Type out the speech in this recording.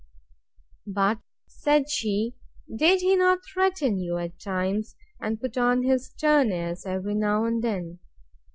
But, said she, did he not threaten you, at times, and put on his stern airs, every now and then?